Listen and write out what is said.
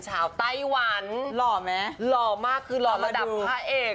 ไต้หวันหล่อไหมหล่อมากคือหล่อระดับพระเอก